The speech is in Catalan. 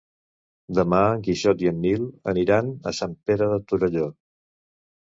Demà en Quixot i en Nil aniran a Sant Pere de Torelló.